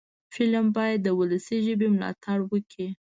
فلم باید د ولسي ژبې ملاتړ وکړي